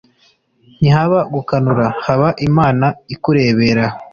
Ntihaba gukanura haba Imana ikurebera